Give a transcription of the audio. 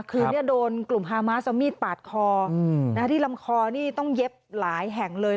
คือโดนกลุ่มฮามาสเอามีดปาดคอที่ลำคอนี่ต้องเย็บหลายแห่งเลย